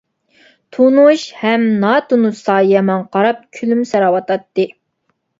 تونۇش ھەم ناتونۇش سايە ماڭا قاراپ كۈلۈمسىرەۋاتاتتى.